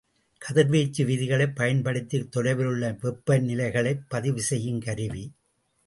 கதிர்வீச்சு விதிகளைப் பயன்படுத்தித் தொலைவிலுள்ள மீவெப்பநிலைகளைப் பதிவு செய்யும் கருவி.